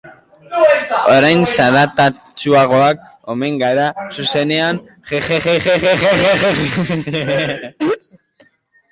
Orain zaratatsuagoak omen gara zuzenean, jejeje.